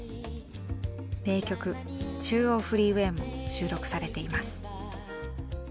名曲「中央フリーウェイ」も収録されています。